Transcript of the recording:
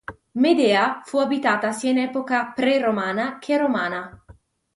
Medea fu abitata sia in epoca preromana che romana.